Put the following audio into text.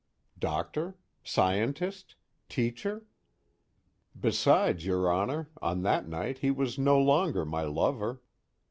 Doctor? Scientist? Teacher? _Besides, your Honor, on that night he was no longer my lover.